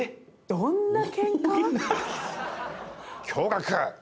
どんなけんか？